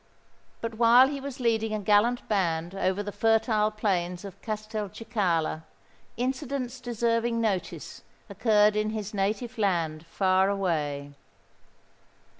But while he was leading a gallant band over the fertile plains of Castelcicala, incidents deserving notice occurred in his native land far away.